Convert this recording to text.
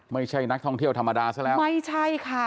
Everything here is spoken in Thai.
ไม่ใช่นักท่องเที่ยวธรรมดาซะแล้วไม่ใช่ค่ะ